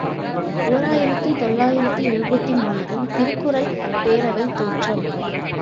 ஓர் ஆயிரத்து தொள்ளாயிரத்து எழுபத்து மூன்று ● திருக்குறள் பேரவைத் தோற்றம்.